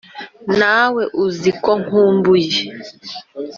ntawe uzi ko nkumbuye.